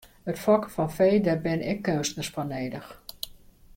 It fokken fan fee, dêr binne ek keunstners foar nedich.